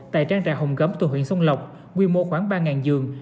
tại trang trại hồng gấm từ huyện xuân lộc quy mô khoảng ba giường